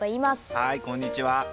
はいこんにちは。